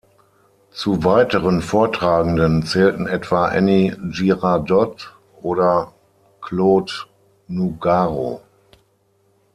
Zu weiteren Vortragenden zählten etwa Annie Girardot oder Claude Nougaro.